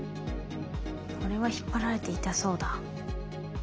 これは引っ張られて痛そうだ。